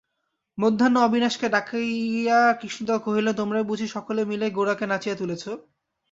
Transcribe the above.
মধ্যাহ্নে অবিনাশকে ডাকাইয়া কৃষ্ণদয়াল কহিলেন, তোমরাই বুঝি সকলে মিলে গোরাকে নাচিয়ে তুলেছ।